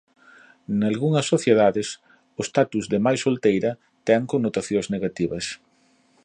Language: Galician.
Nalgunhas sociedades o status de nai solteira ten connotacións negativas.